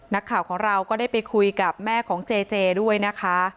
นักข่าวของเราก็ได้ไปคุยกับแม่ของเจเจด้วยนะคะ